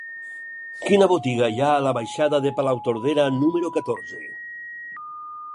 Quina botiga hi ha a la baixada de Palautordera número catorze?